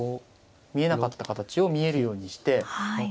見えなかった形を見えるようにして。